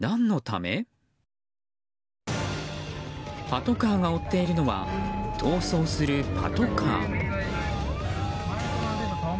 パトカーが追っているのは逃走するパトカー。